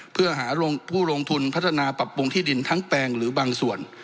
เพื่อหาผู้ลงทุนพัฒนาปรับปรุงที่ดินทั้งแปลงหรือบางส่วน